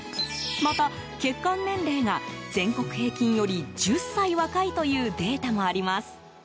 また、血管年齢が全国平均より１０歳若いというデータもあります。